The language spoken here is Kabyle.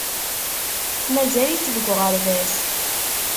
Mazal-itt deg uɣerbaz.